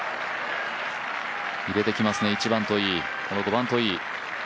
入れてきますね、１番といい、この５番といい。